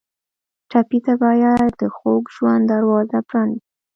ټپي ته باید د خوږ ژوند دروازه پرانیزو.